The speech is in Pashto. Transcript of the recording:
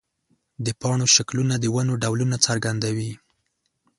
د پاڼو شکلونه د ونو ډولونه څرګندوي.